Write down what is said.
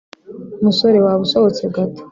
musore waba usohotse gato"